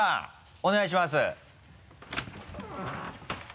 お願いします。